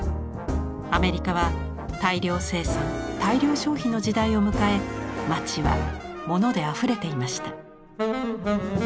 アメリカは大量生産大量消費の時代を迎え街はモノであふれていました。